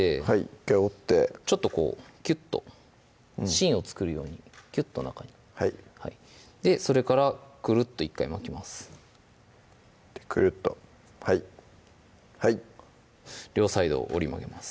１回折ってちょっとこうキュッと芯を作るようにキュッと中にそれからクルッと１回巻きますクルッとはいはい両サイドを折り曲げます